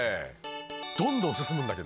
どんどん進むんだけど。